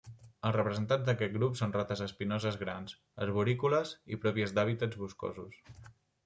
Els representants d'aquest grup són rates espinoses grans, arborícoles i pròpies d'hàbitats boscosos.